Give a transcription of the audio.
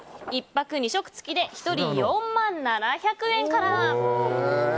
１泊２食付きで１人４万７００円から。